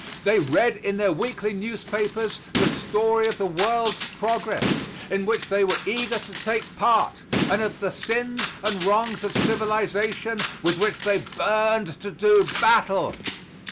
They read in their weekly newspapers the story of the world's progress, in which they were eager to take part, and of the sins and wrongs of civilization with which they burned to do battle.